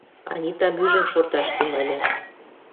Анитам ӱжын, шорташ тӱҥале.